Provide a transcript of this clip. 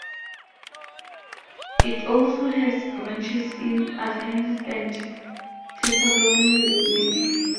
It also has branches in Athens and Thessaloniki.